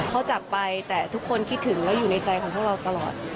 เขาจากไปแต่ทุกคนคิดถึงแล้วอยู่ในใจของพวกเราตลอด